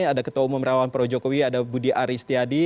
ada ketua umum rewan pro jokowi ada budi ari istiadi